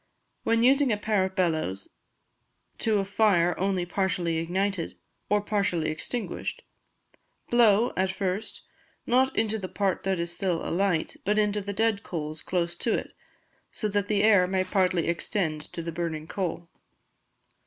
When using a pair of bellows to a fire only partially ignited, or partially extinguished, blow, at first, not into the part that is still alight, but into the dead coals close to it, so that the air may partly extend to the burning coal.